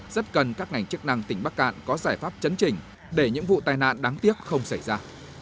rất cần các ngành chức năng tỉnh bắc cạn có giải pháp chấn chỉnh để những vụ tai nạn đáng tiếc không xảy ra